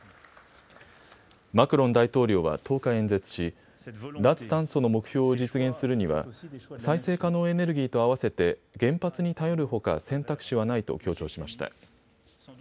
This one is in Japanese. マクロン大統領は１０日、演説し脱炭素の目標を実現するには再生可能エネルギーとあわせて原発に頼るほか選択肢はないと強調しました。